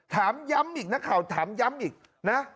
ถามย้ำอีกนักข่าวถามย้ำอีกนะ